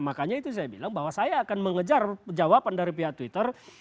makanya itu saya bilang bahwa saya akan mengejar jawaban dari pihak twitter